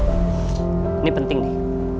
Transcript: ini penting nih